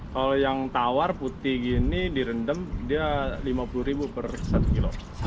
kalau yang tawar putih gini direndam dia lima puluh ribu per satu kilo